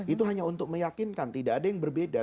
itu hanya untuk meyakinkan tidak ada yang berbeda